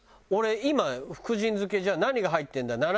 俺今「福神漬けじゃあ何が入ってるんだ？